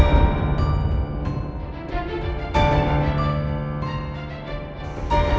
ayu dan bram